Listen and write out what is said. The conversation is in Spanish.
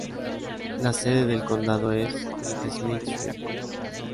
La sede del condado es Smithfield.